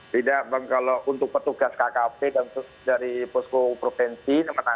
tidak bang kalau untuk petugas kkp dan dari posko provinsi ini tidak baik bang